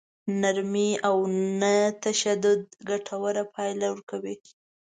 نرمي او نه تشدد ګټوره پايله ورکوي.